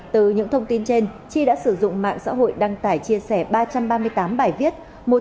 từ những thông tin trên chi đã sử dụng mạng xã hội đăng tải chia sẻ ba trăm ba mươi tám bài viết